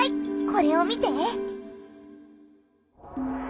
これを見て！